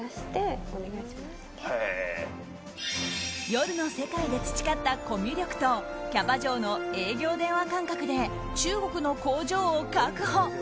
夜の世界で培ったコミュ力とキャバ嬢の営業電話感覚で中国の工場を確保。